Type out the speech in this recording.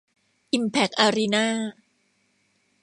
อิมแพ็คอารีน่า